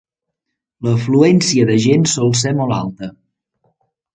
L'afluència de gent sol ser molt alta.